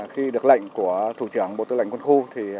khi được lệnh của thủ trưởng bộ tư lệnh quân khu